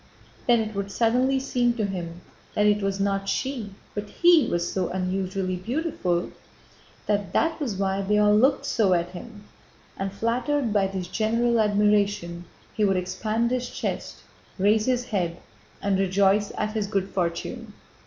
Then it would suddenly seem to him that it was not she but he was so unusually beautiful, and that that was why they all looked so at him, and flattered by this general admiration he would expand his chest, raise his head, and rejoice at his good fortune.